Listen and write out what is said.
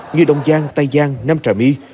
như đông giang tây giang nam trà my